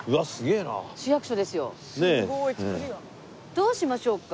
どうしましょうか？